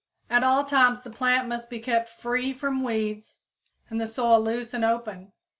At all times the plants must be kept free from weeds and the soil loose and open.